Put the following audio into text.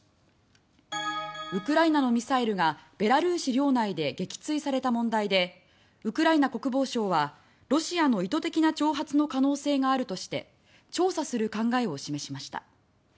ウクライナのミサイルがベラルーシ領内で撃墜された問題でウクライナ国防省はロシアの意図的な挑発の可能性があるとして調査する考えを示しました。